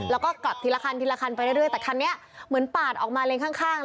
แล้วก็กลับทีละคันทีละคันไปเรื่อยแต่คันนี้เหมือนปาดออกมาเลนข้าง